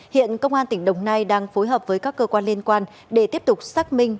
hiện công an tỉnh đồng nai đang phối hợp với các cơ quan liên quan để tiếp tục xác minh